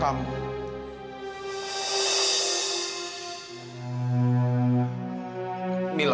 biarkan aku masuk mila